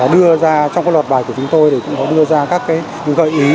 đưa ra trong cái luật bài của chúng tôi thì cũng có đưa ra các cái gợi ý